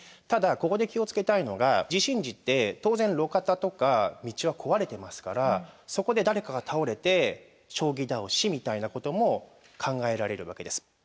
ただここで気を付けたいのが地震時って当然路肩とか道は壊れてますからそこで誰かが倒れて将棋倒しみたいなことも考えられるわけです。